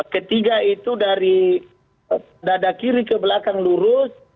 ketiga itu dari dada kiri ke belakang lurus